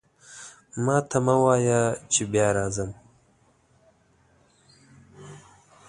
ماته مه وایه چې بیا راځم.